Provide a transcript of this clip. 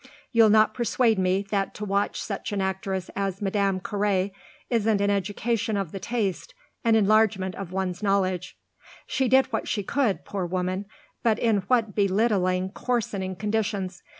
You'll not persuade me that to watch such an actress as Madame Carré wasn't an education of the taste, an enlargement of one's knowledge." "She did what she could, poor woman, but in what belittling, coarsening conditions!